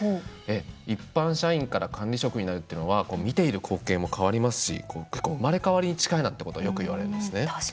一般社員から管理職になるっていうのは見ている光景も変わりますし結構、生まれ変わりに近いなということをよく言われますね。